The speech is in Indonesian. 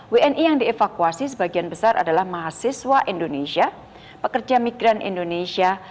wni yang dievakuasi sebagian besar adalah mahasiswa indonesia pekerja migran indonesia